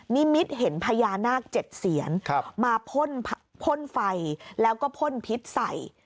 นิมิตเห็นพญานาค๗เสียนมาพ่นไฟแล้วก็พ่นพิษใส่